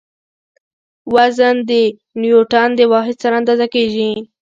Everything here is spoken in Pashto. وزن د نیوټڼ د واحد سره اندازه کیږي.